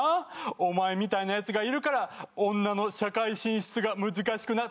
「お前みたいなやつがいるから女の社会進出が難しくなっ」